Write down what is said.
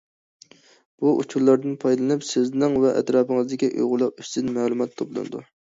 بۇ ئۇچۇرلاردىن پايدىلىنىپ سىزنىڭ ۋە ئەتراپىڭىزدىكى ئۇيغۇرلار ئۈستىدىن مەلۇمات توپلىنىدۇ.